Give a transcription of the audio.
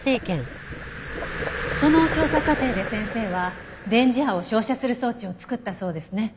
その調査過程で先生は電磁波を照射する装置を作ったそうですね。